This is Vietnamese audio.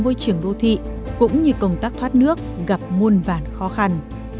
ngoại trưởng đô thị cũng như công tác thoát nước gặp môn vàn khó khăn